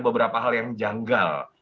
beberapa hal yang janggal